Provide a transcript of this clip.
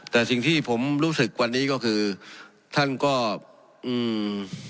แต่สิ่งที่ผมรู้สึกวันนี้ก็คือท่านก็อืม